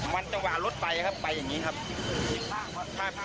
มันจะหว่ารถไปไปอย่างนี้ครับ